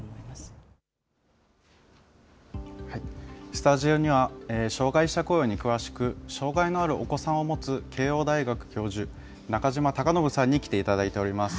スタジオには、障害者雇用に詳しく、障害のあるお子さんを持つ、慶応大学教授、中島隆信さんに来ていただいております。